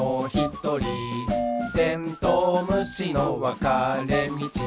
「テントウムシのわかれみち？」